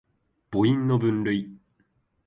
母音の分類